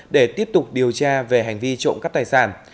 để tiếp tục điều tra về hành vi trộm cắp tài sản